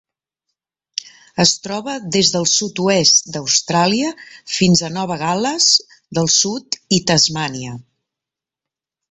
Es troba des del sud-oest d'Austràlia fins a Nova Gal·les del Sud i Tasmània.